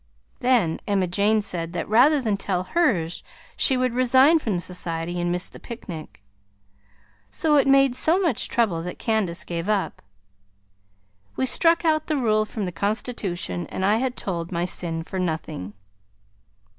Then Emma Jane said that rather than tell hers she would resign from the Society and miss the picnic. So it made so much trouble that Candace gave up. We struck out the rule from the constitution and I had told my sin for nothing.